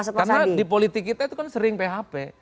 karena di politik kita itu kan sering phb